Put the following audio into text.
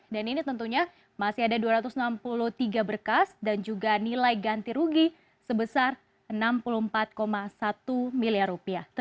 ini tentunya masih ada dua ratus enam puluh tiga berkas dan juga nilai ganti rugi sebesar enam puluh empat satu miliar rupiah